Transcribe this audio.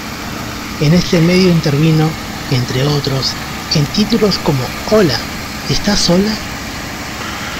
En este medio intervino, entre otros, en títulos como "Hola, ¿estás sola?